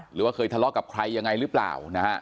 หรือว่าเคยทะเลาะกับใครยังไงหรือเปล่านะฮะ